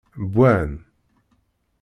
Wwan.